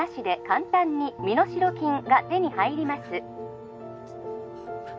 ☎簡単に身代金が手に入ります